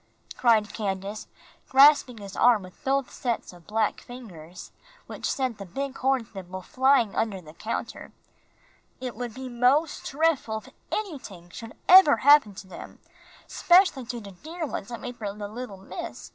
cried Candace, grasping his arm with both sets of black fingers, which sent the big horn thimble flying off under the counter. "It would be mos' drefful if anyting should eber happen to dem, 'specially to der ones I made fer de little miss.